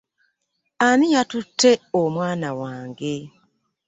Ani yatute omwana wange?